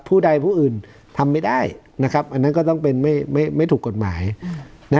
ผู้ใดผู้อื่นทำไม่ได้นะครับอันนั้นก็ต้องเป็นไม่ถูกกฎหมาย